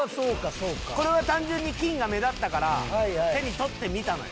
「これは単純に金が目立ったから手に取ってみたのよ」